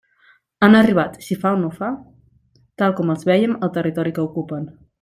Han arribat si fa no fa tal com els veiem al territori que ocupen.